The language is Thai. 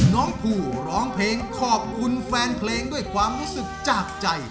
น้องภูร้องเพลงขอบคุณแฟนเพลงด้วยความรู้สึกจากใจ